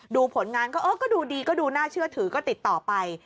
ผลงานก็เออก็ดูดีก็ดูน่าเชื่อถือก็ติดต่อไป